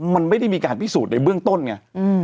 มันไม่ได้มีการพิสูจน์ในเบื้องต้นไง